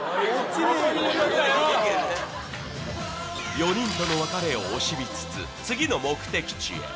４人との別れを惜しみつつ、次の目的地へ。